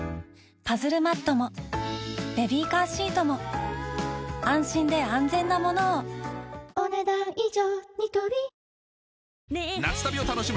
パズルマットもベビーカーシートも安心で安全なものをお、ねだん以上。